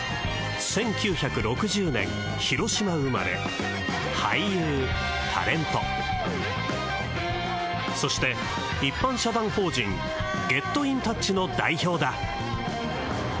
１９６０年広島生まれ俳優タレントそして一般社団法人「Ｇｅｔｉｎｔｏｕｃｈ」の代表だ